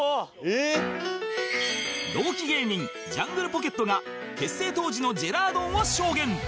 同期芸人ジャングルポケットが結成当時のジェラードンを証言